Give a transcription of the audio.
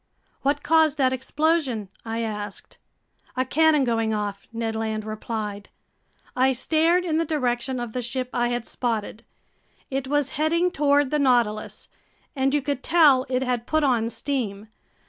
"What caused that explosion?" I asked. "A cannon going off," Ned Land replied. I stared in the direction of the ship I had spotted. It was heading toward the Nautilus, and you could tell it had put on steam.